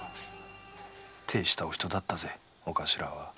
てえしたお人だったぜお頭は。